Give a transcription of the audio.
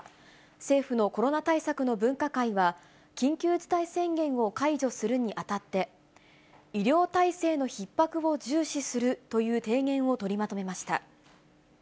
政府のコロナ対策の分科会は、緊急事態宣言を解除するにあたって、医療体制のひっ迫を重視するという提言を取りまとめました。